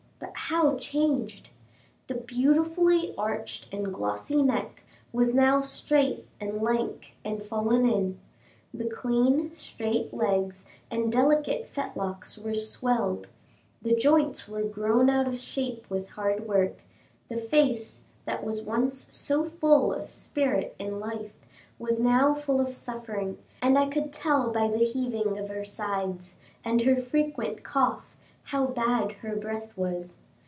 but how changed! The beautifully arched and glossy neck was now straight, and lank, and fallen in; the clean, straight legs and delicate fetlocks were swelled; the joints were grown out of shape with hard work; the face, that was once so full of spirit and life, was now full of suffering, and I could tell by the heaving of her sides, and her frequent cough, how bad her breath was.